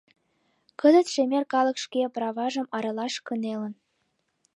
Кызыт шемер калык шке праважым аралаш кынелын...